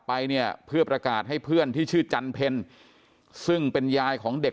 ไปเนี่ยเพื่อประกาศให้เพื่อนที่ชื่อจันเพลซึ่งเป็นยายของเด็ก